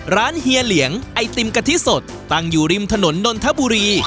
เฮียเหลียงไอติมกะทิสดตั้งอยู่ริมถนนนนทบุรี